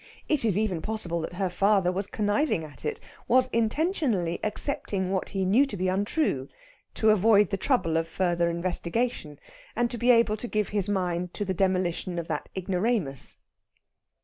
It is even possible that her father was conniving at it, was intentionally accepting what he knew to be untrue, to avoid the trouble of further investigation, and to be able to give his mind to the demolition of that ignoramus.